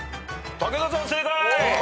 武田さん正解。